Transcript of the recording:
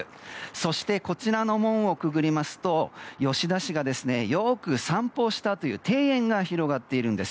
そしてこちらの門をくぐりますと吉田氏がよく散歩したという庭園が広がっているんです。